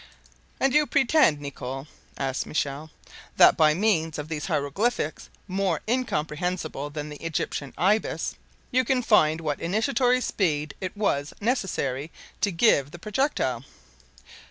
"And you pretend, Nicholl," asked Michel, "that by means of these hieroglyphics, more incomprehensible than the Egyptian Ibis, you can find what initiatory speed it was necessary to give the projectile?"